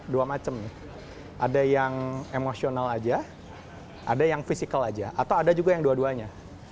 dua macam ada yang emosional aja ada yang fisikal aja atau ada juga yang dua duanya